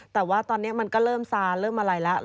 แต่ว่าตอนนี้มันก็เริ่มซาเริ่มอะไรแล้ว